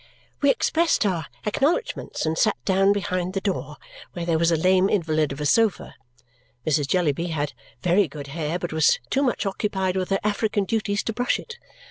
We expressed our acknowledgments and sat down behind the door, where there was a lame invalid of a sofa. Mrs. Jellyby had very good hair but was too much occupied with her African duties to brush it.